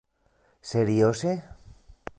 Serioze?